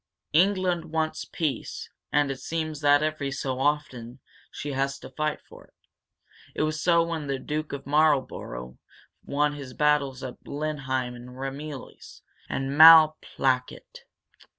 "England wants peace. And it seems that, every so often, she has to fight for it. It was so when the Duke of Marlborough won his battles at Blenheim and Ramillies and Malplaquet.